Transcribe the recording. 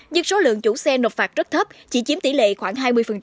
nhưng số lượng chủ xe nộp phạt rất thấp chỉ chiếm tỷ lệ khoảng hai mươi